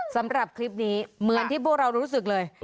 สำหรับคลิปนี้เหมือนที่พวกเรารู้สึกเลย